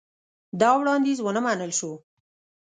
دا وړاندیز ونه منل شو.